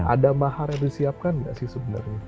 ada mahar yang disiapkan nggak sih sebenarnya